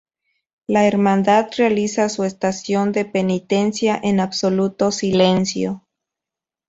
La hermandad realiza su estación de penitencia en absoluto silencio.